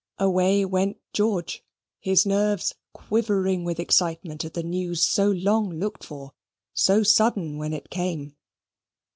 Away went George, his nerves quivering with excitement at the news so long looked for, so sudden when it came.